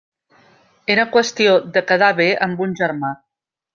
Era qüestió de quedar bé amb un germà.